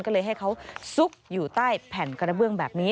ก็เลยให้เขาซุกอยู่ใต้แผ่นกระเบื้องแบบนี้